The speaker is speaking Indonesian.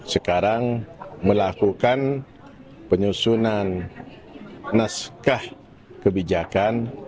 sekarang melakukan penyusunan naskah kebijakan